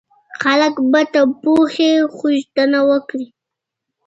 خلک به د پوهې غوښتنه وکړي.